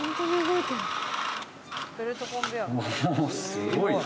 すごいな。